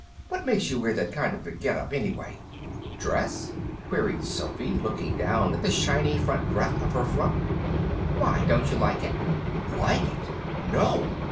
What makes you wear that kind of a get up, anyway?" "Dress?" queried Sophy, looking down at the shiny front breadth of her frock. "Why? Don't you like it?" "Like it! No!"